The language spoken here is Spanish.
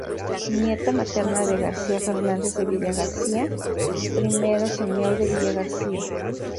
Nieta materna de García Fernández de Villagarcía, I señor de Villagarcía.